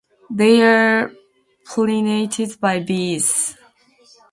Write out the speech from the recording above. They are pollinated by bees.